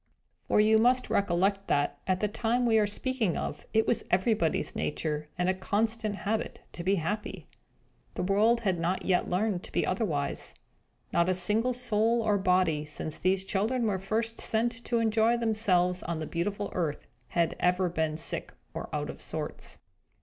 For you must recollect that, at the time we are speaking of, it was everybody's nature, and constant habit, to be happy. The world had not yet learned to be otherwise. Not a single soul or body, since these children were first sent to enjoy themselves on the beautiful earth, had ever been sick or out of sorts.